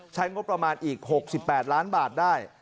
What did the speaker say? ใช้งบประมาณอีก๖๘ล้านบาทได้